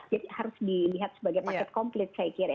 jadi harus dilihat sebagai market complete saya kira ya